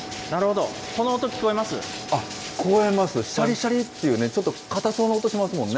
しゃりっていうね、ちょっと硬そうな音しますもんね。